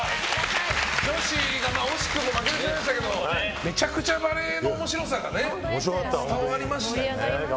女子が惜しくも負けてしまいましたけどめちゃくちゃバレーの面白さが伝わりましたよね。